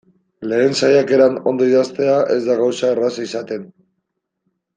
Lehen saiakeran ondo idaztea ez da gauza erraza izaten.